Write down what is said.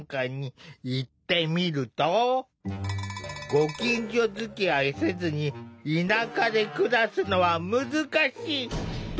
ご近所づきあいせずに田舎で暮らすのは難しいという回答が。